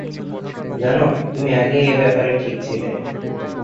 জানো, তুমি আগেই এ ব্যাপারে ঠিক ছিলে।